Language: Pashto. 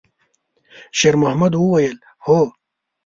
شېرمحمد وویل: «هو.»